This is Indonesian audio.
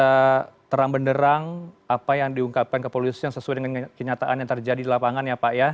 bisa terang benderang apa yang diungkapkan kepolisian sesuai dengan kenyataan yang terjadi di lapangan ya pak ya